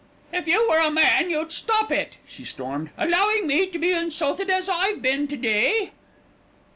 "If you were a man you'd stop it," she stormed, "allowing me to be insulted as I've been to day."